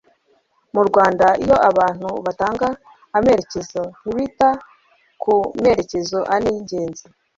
mu rwanda iyo abantu batanga amerekezo ntibita ku merekezo ane y'ingenzi